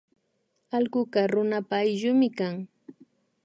Allkuka runapa ayllumi kan